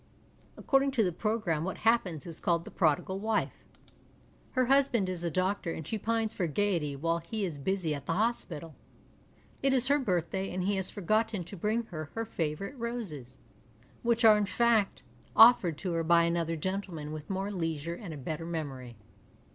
According to the progranune what Iiappens is 222 THE MOVIES called The Prodigal Wife. Her iiusband is a doctor and she pines for gaiety while he is busy at the hospital. It is her birthday and he has forgotten to bring her her favourite roses, which are in fact offered to her by another gentleman with more leisure and a better memory.